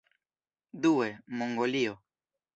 Due, Mongolio.